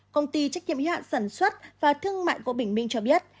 công ty trách nhiệm hiệu hạn sản xuất và thương mại gỗ bình minh cho biết